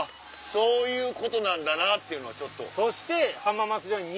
そういうことなんだなっていうのはちょっと。